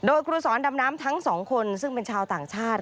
โดยครูสอนดำน้ำทั้งสองคนซึ่งเป็นชาวต่างชาติ